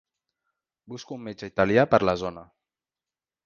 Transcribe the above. Busco un metge italià per la zona.